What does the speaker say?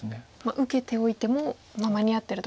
受けておいても間に合ってると。